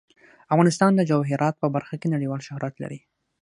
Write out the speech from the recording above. افغانستان د جواهرات په برخه کې نړیوال شهرت لري.